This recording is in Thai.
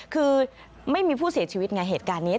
คือไม่มีผู้เสียชีวิตไงเหตุการณ์นี้